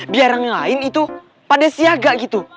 biar yang lain itu pada siaga gitu